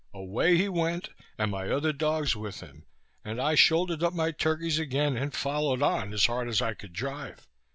Away he went, and my other dogs with him, and I shouldered up my turkeys again, and followed on as hard as I could drive.